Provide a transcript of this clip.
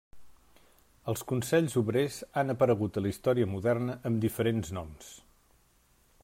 Els consells obrers han aparegut a la història moderna amb diferents noms.